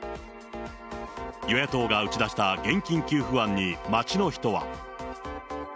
与野党が打ち出した現金給付案に、街の人は。